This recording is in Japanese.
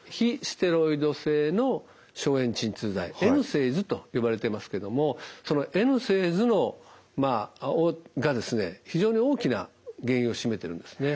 ステロイド性の消炎鎮痛剤ＮＳＡＩＤｓと呼ばれていますけどもそのＮＳＡＩＤｓが非常に大きな原因を占めてるんですね。